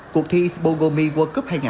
cuộc thi spogomi world cup hai nghìn